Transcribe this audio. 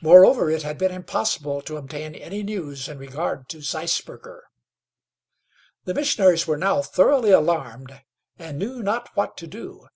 Moreover, it had been impossible to obtain any news in regard to Zeisberger. The missionaries were now thoroughly alarmed, and knew not what to do.